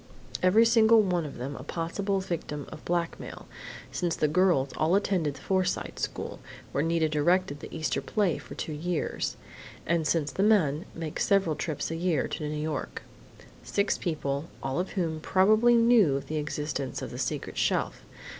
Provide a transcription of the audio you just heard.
Every single one of them a possible victim of blackmail, since the girls all attended the Forsyte School, where Nita directed the Easter play for two years, and since the men make several trips a year to New York.... Six people, all of whom probably knew of the existence of the secret shelf....